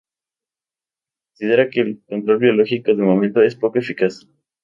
Aunque se considera que el control biológico, de momento, es poco eficaz.